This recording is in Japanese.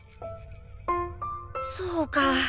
そうか！